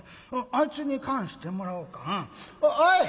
あいつに燗してもらおうか。